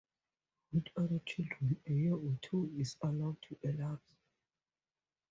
With other children, a year or two is allowed to elapse.